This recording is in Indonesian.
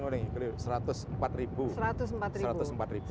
sekarang ini masih sekitar tujuh puluh empat ribu